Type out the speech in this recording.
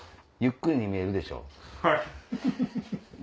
ゆっくりに見えるでしょ。